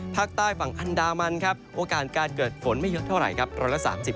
ภาคใต้ฝั่งอันดามันครับโอกาสการเกิดฝนไม่เยอะเท่าไหร่ครับ